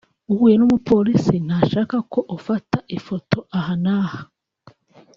uhuye n’umupolisi ntashaka ko ufata ifoto aha n’aha